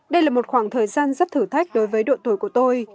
đây là một khoảng thời gian rất thử thách đối với độ tuổi của tôi